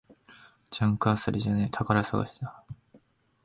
ジャンク漁りじゃねえ、宝探しだ